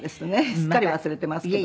すっかり忘れてますけど。